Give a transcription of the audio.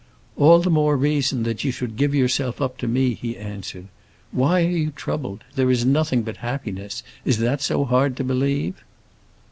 "All the more reason why you should give yourself up to me," he answered. "Why are you troubled? There is nothing but happiness. Is that so hard to believe?"